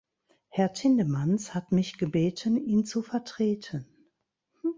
Herr Tindemans hat mich gebeten, ihn zu vertreten.